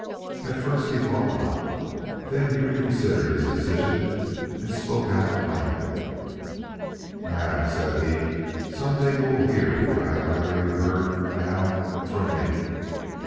At first he thought not; then he reconsidered his decision and spoke out plainly. "Madam," said he, "some day you will hear what I had rather you heard now and from me.